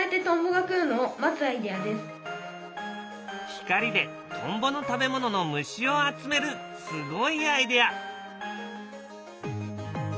光でトンボの食べ物の虫を集めるすごいアイデア。